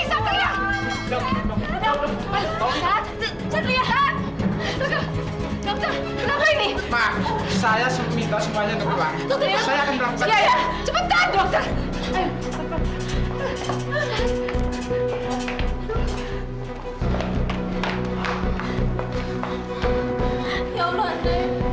ya allah ndre